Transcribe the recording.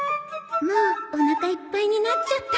もうおなかいっぱいになっちゃった。